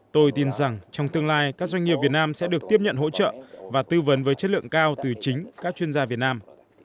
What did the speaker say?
tôi tin rằng trong tương lai các doanh nghiệp việt nam sẽ được tiếp nhận hỗ trợ và tư vấn với chất lượng cao từ chính các chuyên gia việt nam